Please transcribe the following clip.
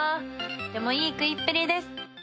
「でもいい食いっぷりです」